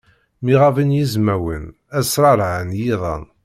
Mi ɣaben yizmawen, ad sreɛrɛen yiḍan.